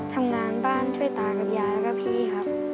ทำงานบ้านช่วยตากับยายแล้วก็พี่ครับ